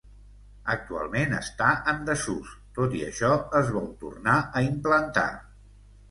Actualment està en desús, tot i això es vol tornar a implantar.